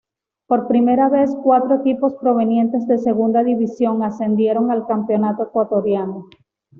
Por primera vez cuatro equipos provenientes de Segunda División ascendieron al Campeonato Ecuatoriano.